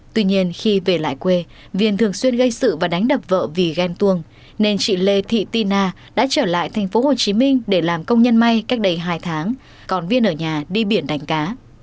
tuy nhiên khi về lại quê viên thường xuyên gây sự và đánh đập vợ vì ghen tuồng nên chị lê thị tina đã trở lại thành phố hồ chí minh để làm công nhân may cách đây hai tháng còn viên ở nhà đi biển đánh cá